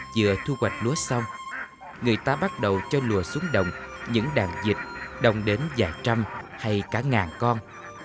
vừa thu hoạch lúa xong người ta bắt đầu cho lùa xuống đồng những đàn dịch đồng đến vài trăm hay cả ngàn con